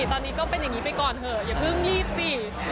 ตอนนี้ก็เป็นอย่างนี้ไปก่อนเถอะอย่าเพิ่งรีบสิ